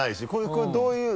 これどういう？